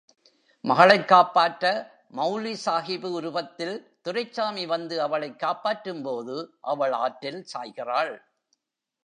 மகளைக் காப்பாற்ற மெளல்வி சாகிபு உருவத்தில் துரைசாமி வந்து, அவளைக் காப்பாற்றும்போது, அவள் ஆற்றில் சாய்கிறாள்.